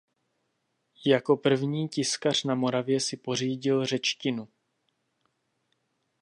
Jako první tiskař na Moravě si pořídil řečtinu.